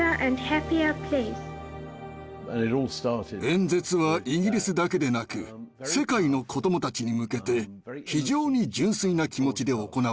演説はイギリスだけでなく世界の子どもたちに向けて非常に純粋な気持ちで行われました。